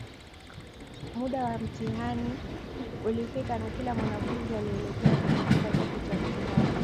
Muda wa mtihani ulifika na kila mwanafunzi alielekea kwenye chumba chake Cha mtihani